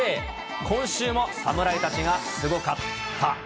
今週も侍たちがすごかった。